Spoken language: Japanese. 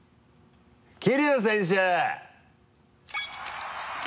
桐生選手！